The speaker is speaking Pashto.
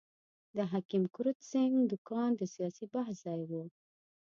د حکیم کرت سېنګ دوکان د سیاسي بحث ځای وو.